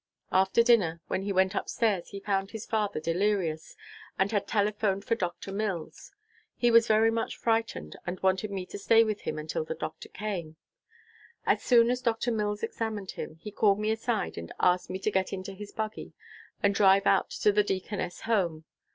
After dinner, when he went up stairs, he found his father delirious, and had telephoned for Dr. Mills. He was very much frightened, and wanted me to stay with him until the doctor came. As soon as Dr. Mills examined him, he called me aside and asked me to get into his buggy and drive out to the Deaconess Home.